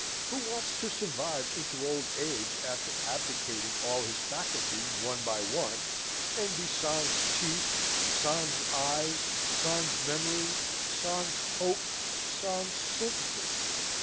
Who wants to survive into old age after abdicating all his faculties one by one, and be sans teeth, sans eyes, sans memory, sans hope, sans sympathy?